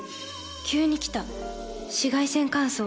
急に来た紫外線乾燥。